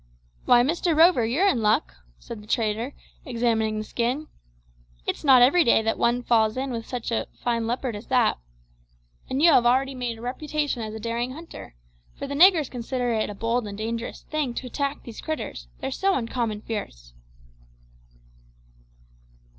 "Why, Mr Rover, you're in luck," said the trader, examining the skin; "it's not every day that one falls in with such a fine leopard as that. And you have already made a reputation as a daring hunter, for the niggers consider it a bold and dangerous thing to attack these critters; they're so uncommon fierce."